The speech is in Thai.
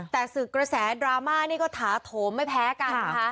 แต่ศึกกระแสดราม่านี่ก็ถาโถมไม่แพ้กันนะคะ